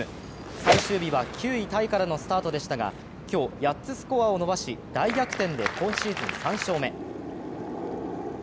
最終日は９位タイからのスタートでしたが今日８つスコアを伸ばし大逆転で今シーズン３勝目。